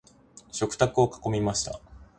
食卓を囲みました。